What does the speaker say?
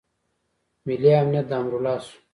ملي امنیت د امرالله شو.